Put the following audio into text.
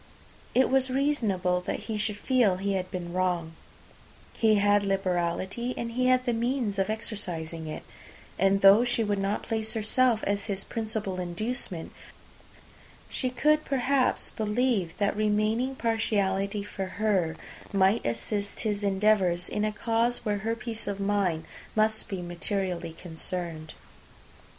It was reasonable that he should feel he had been wrong; he had liberality, and he had the means of exercising it; and though she would not place herself as his principal inducement, she could perhaps believe, that remaining partiality for her might assist his endeavours in a cause where her peace of mind must be materially concerned.